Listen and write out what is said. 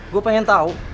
gua pengen tau